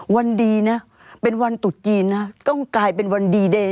วันดีนะเป็นวันตุดจีนนะต้องกลายเป็นวันดีเดย์